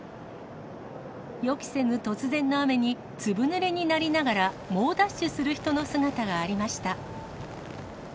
予期せぬ突然の雨に、ずぶぬれになりながら猛ダッシュする人の姿がありました。